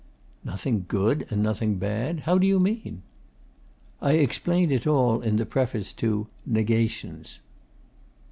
'Nothing good and nothing bad? How do you mean?' 'I explained it all in the preface to "Negations."